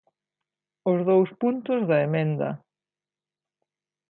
Os dous puntos da emenda.